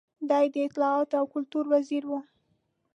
دی د اطلاعاتو او کلتور وزیر و.